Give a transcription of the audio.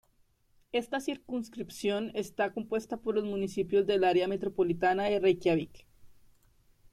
Esta circunscripción está compuesta por los municipios del área metropolitana de Reikiavik.